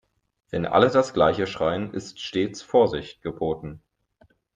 Wenn alle das gleiche schreien, ist stets Vorsicht geboten.